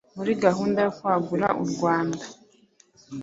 Muri gahunda yo kwagura u Rwanda